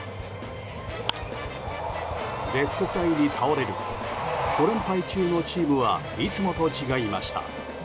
レフトフライに倒れると５連敗中のチームはいつもと違いました。